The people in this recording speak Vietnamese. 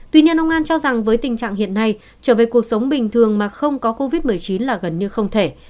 tuy nhiên ông an cho rằng với tình trạng hiện nay trở về cuộc sống bình thường mà không có covid một mươi chín là gần như không thể